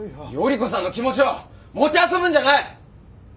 依子さんの気持ちをもてあそぶんじゃない！